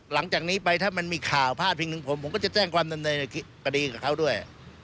หลังจากนี้ไปถ้ามันมีข่าวพาดพิงถึงผมผมก็จะแจ้งความดำเนินคดีกับเขาด้วย